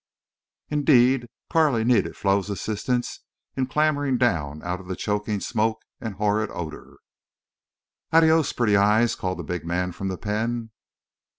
Indeed, Carley needed Flo's assistance in clambering down out of the choking smoke and horrid odor. "Adios, pretty eyes," called the big man from the pen.